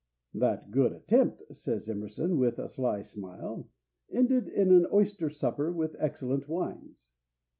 "That good attempt," says Emerson, with a sly smile, "ended in an oyster supper with excellent wines."